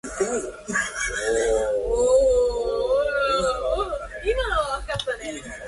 創造ということは、ベルグソンのいうように、単に一瞬の過去にも還ることのできない尖端的進行ということではない。